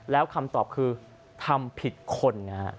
แล้วคำตอบคือทำผิดคนนะฮะ